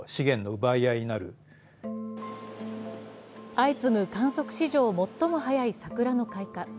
相次ぐ観測史上最も早い桜の開花。